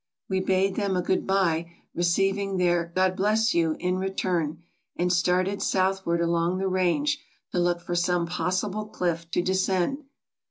We bade them a "good bye," receiving their " God bless you" in return, and started southward along the range to look for some pos sible cliff to descend.